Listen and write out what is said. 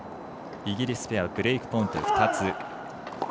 イギリスペアブレークポイント２つ。